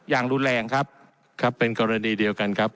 อย่างรุนแรงครับครับเป็นกรณีเดียวกันครับ